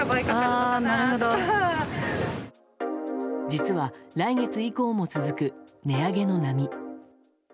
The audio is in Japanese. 実は、来月以降も続く値上げの波。